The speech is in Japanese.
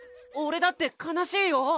おれだって悲しいよ。